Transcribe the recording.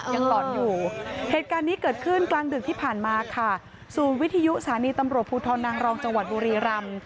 หลอนอยู่เหตุการณ์นี้เกิดขึ้นกลางดึกที่ผ่านมาค่ะศูนย์วิทยุสถานีตำรวจภูทรนางรองจังหวัดบุรีรำ